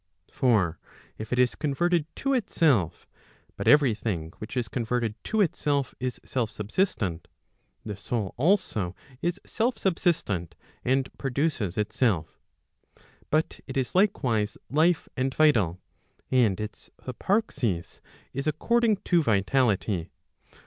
For if it is converted to itself, but every thing which is converted to itself is self subsistent, the soul also is self subsistent, and produces itself. But it is likewise life and vital, and its hyparxis is according to vitality.